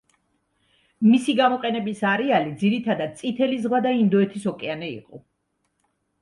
მისი გამოყენების არეალი, ძირითადად, წითელი ზღვა და ინდოეთის ოკეანე იყო.